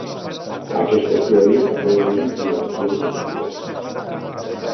Aquestes teories també es diuen filosofies educatives.